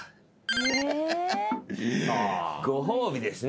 ご褒美ですね。